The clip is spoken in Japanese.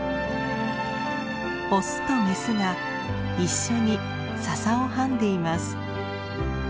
オスとメスが一緒にササをはんでいます。